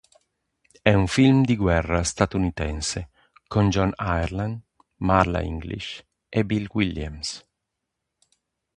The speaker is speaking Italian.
È un film di guerra statunitense con John Ireland, Marla English e Bill Williams.